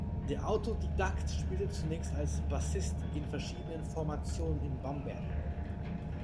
Der Autodidakt spielte zunächst als Bassist in verschiedenen Formationen in Bamberg.